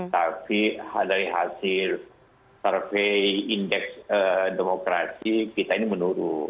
tapi dari hasil survei indeks demokrasi kita ini menurun